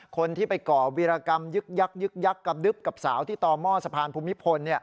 คนที่ไปก่อวิรกรรมยึกยักษ์กับสาวที่ต่อหม้อสะพานภูมิพล